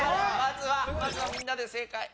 まずはみんなで正解。